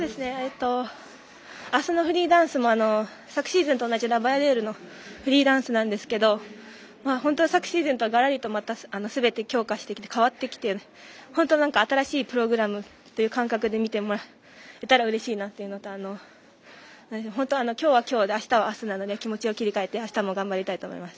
あすのフリーダンスも昨シーズンと同じ「ラ・バヤデール」のフリーダンスなんですけど本当は昨シーズンとはがらりとすべて強化してきて、変わってきて新しいプログラムという感覚で見てもらえたらうれしいなというのと本当は、きょうはきょうあすはあすなので気持ちを切り替えてあしたも頑張りたいと思います。